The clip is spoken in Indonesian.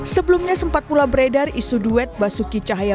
sebelumnya sempat pula beredar isu duet basuki cahaya